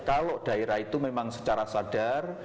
kalau daerah itu memang secara sadar